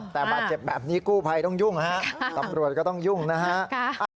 แต่บาดเจ็บแบบนี้กู้ภัยต้องยุ่งฮะตำรวจก็ต้องยุ่งนะฮะ